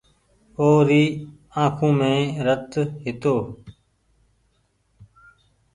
او ري آنکون مين رت هيتو۔